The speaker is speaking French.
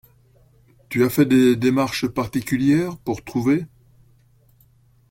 Tu as fait des démarches particulières, pour trouver?